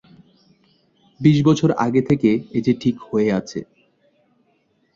বিশ বছর আগে থেকে এ যে ঠিক হয়ে আছে।